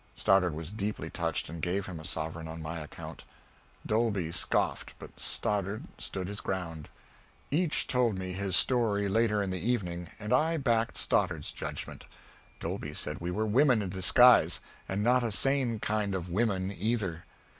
Stoddard was deeply touched, and gave him a sovereign on my account. Dolby scoffed, but Stoddard stood his ground. Each told me his story later in the evening, and I backed Stoddard's judgment. Dolby said we were women in disguise, and not a sane kind of women, either.